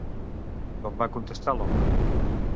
Com va contestar l'home?